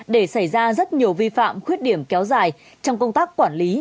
để xảy ra rất nhiều vi phạm khuyết điểm kéo dài trong công tác quản lý